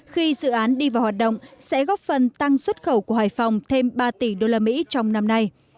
khi dự án đi vào hoạt động sẽ góp phần tăng xuất khẩu của hải phòng thêm ba tỷ đô la mỹ trong năm nay